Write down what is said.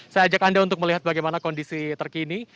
saya ajak anda untuk melihat bagaimana kondisi terkini